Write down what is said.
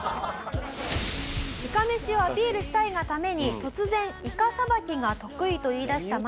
いかめしをアピールしたいがために突然いか捌きが得意と言いだしたマヤさん。